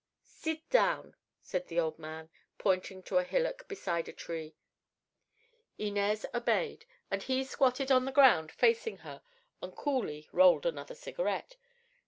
"Sit down," said the old man, pointing to a hillock beside a tree. Inez obeyed, and he squatted on the ground facing her and coolly rolled another cigarette.